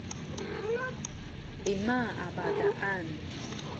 lima a bataan